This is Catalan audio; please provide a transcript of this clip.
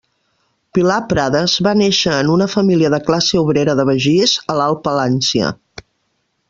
Pilar Prades va néixer en una família de classe obrera de Begís, a l'Alt Palància.